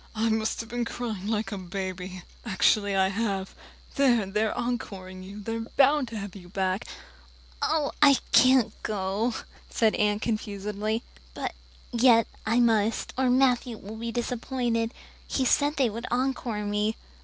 "I've been crying like a baby, actually I have. There, they're encoring you they're bound to have you back!" "Oh, I can't go," said Anne confusedly. "But yet I must, or Matthew will be disappointed. He said they would encore me."